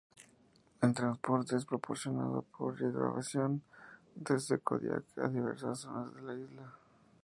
El transporte es proporcionado por hidroavión desde Kodiak a diversas zonas de la isla.